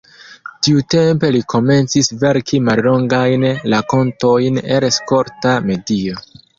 Tiutempe li komencis verki mallongajn rakontojn el skolta medio.